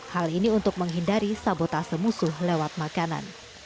hal ini untuk menghindari sabotase musuh lewat makanan